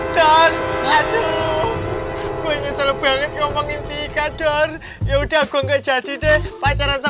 dan aduh gue nyesel banget ngomongin sikat dan yaudah gue nggak jadi deh pacaran sama